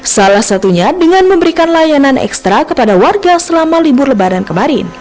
salah satunya dengan memberikan layanan ekstra kepada warga selama libur lebaran kemarin